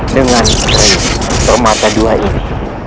dengan permata dua ini